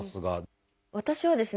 私はですね